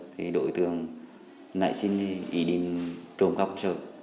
thì đối tượng lại xin ý định trộm cắp công sở